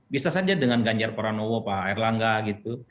bisa saja dengan ganjar pranowo pak erlangga gitu